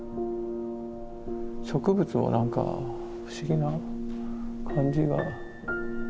植物をなんか不思議な感じが。